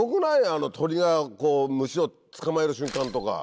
あの鳥が虫を捕まえる瞬間とか。